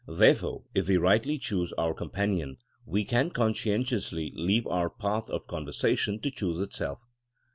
Therefore if we rightly choose our com panion we can conscientiously leave our path of conversation to choose itself.